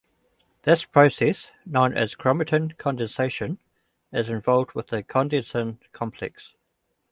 This process, known as chromatin condensation, is involved with the condensin complex.